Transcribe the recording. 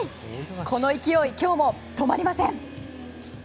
この勢い、今日も止まりません！